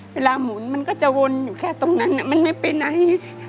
หมุนมันก็จะวนอยู่แค่ตรงนั้นมันไม่ไปไหน